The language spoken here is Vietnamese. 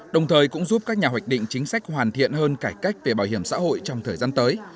đồng thời cũng giúp các nhà hoạch định chính sách hoàn thiện hơn cải cách về bảo hiểm xã hội trong thời gian tới